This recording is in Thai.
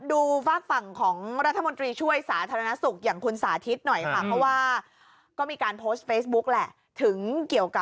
ดูฝากฝั่งของรัฐมนตรีช่วยสาธารณสุขอย่างคุณสาธิตหน่อยค่ะ